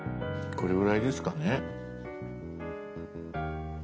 これぐらいですかね。